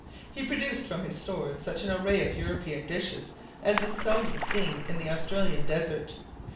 He produced from his stores such an array of European dishes as is seldom seen in the Australian desert.